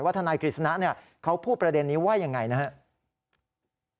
ว่าทนายกิจสนะเขาพูดประเด็นนี้ว่าอย่างไรนะครับ